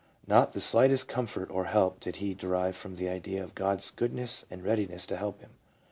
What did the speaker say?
Not the slightest comfort or help did he derive from the idea of God's goodness and readiness to help him.